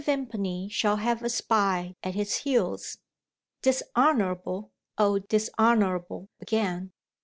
Vimpany shall have a spy at his heels. Dishonourable! oh, dishonourable again!